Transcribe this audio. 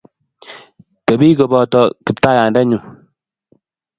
Tebi kobota, Kiptaiyandennyu